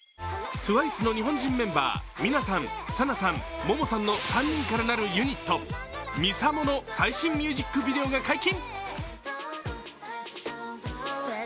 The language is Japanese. ＴＷＩＣＥの日本人メンバー、ＭＩＮＡさん、ＳＡＮＡさん、ＭＯＭＯさんの３人から成るユニット、ＭＩＳＡＭＯの最新ミュージックビデオが解禁。